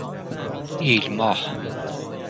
ایلماه